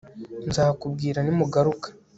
Nzakubwira nimugaruka